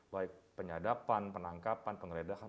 baik penyedapan penangkapan penggeledahan